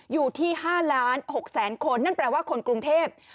อยู่ที่๕ล้าน๖แสนคนนั่นแปลว่าคนกรุงเทพ